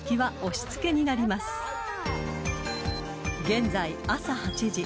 ［現在朝８時］